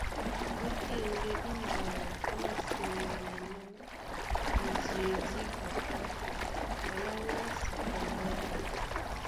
Ótên ndé ínjɔu í māseŋganɛnɔ́ mudíedi kapɔ́ kaná wɔ́si tɔ mbɔ́.